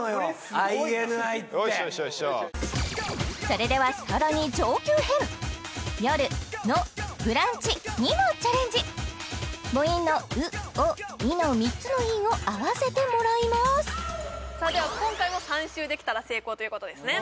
それではさらに上級編「よるのブランチ」にもチャレンジ母音のウオイの３つの韻を合わせてもらいますさあでは今回も３周できたら成功ということですね